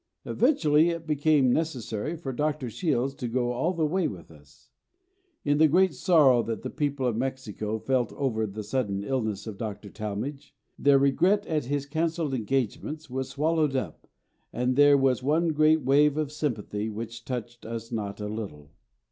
Eventually it became necessary for Dr. Shields to go all the way with us. In the great sorrow that the people of Mexico felt over the sudden illness of Dr. Talmage, their regret at his cancelled engagements was swallowed up, and there was one great wave of sympathy which touched us not a little.